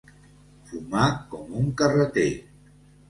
Fumar com un carreter.